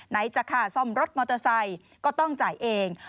จะค่าซ่อมรถมอเตอร์ไซค์ก็ต้องจ่ายเอง